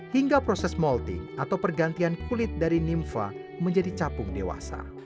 hingga proses molting atau pergantian kulit dari nimfa menjadi capung dewasa